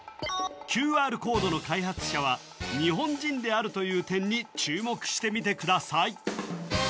ＱＲコードの開発者は日本人であるという点に注目してみてください